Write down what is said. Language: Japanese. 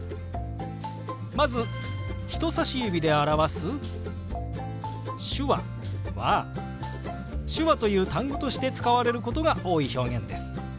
まず人さし指で表す「手話」は「手話」という単語として使われることが多い表現です。